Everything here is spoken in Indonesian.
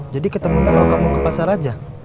jadi ketemu nggak kalau kamu ke pasar aja